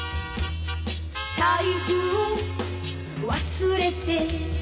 「財布を忘れて」